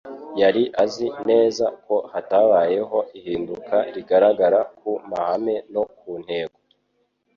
Yari azi neza ko hatabayeho ihinduka rigaragara ku mahame no ku ntego,